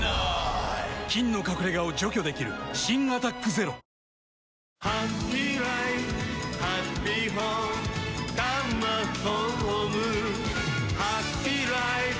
菌の隠れ家を除去できる新「アタックＺＥＲＯ」「キュキュット」